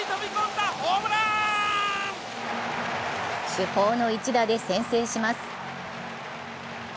主砲の一打で先制します。